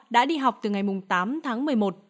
đã đi học từ ngày tám tháng một mươi một